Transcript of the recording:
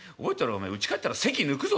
お前うち帰ったら籍抜くぞ